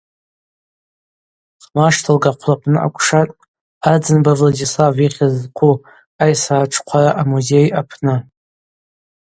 Хъмаштылга хъвлапны акӏвшатӏ Ардзынба Владислав йыхьыз зхъу айсра ртшхъвара а-Музей апны.